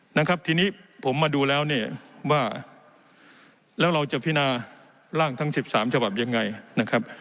นะครับทีนี้ผมมาดูแล้วเนี่ยว่าแล้วเราจะพินาร่างทั้งสิบสามฉบับยังไงนะครับ